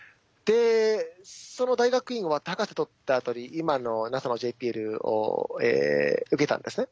その大学院終わって博士取ったあとに今のＮＡＳＡのＪＰＬを受けたんですね。